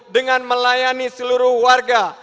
dengan melayani seluruh warga